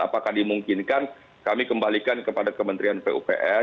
apakah dimungkinkan kami kembalikan kepada kementerian pupr